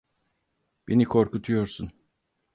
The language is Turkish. Beni korkutuyorsun.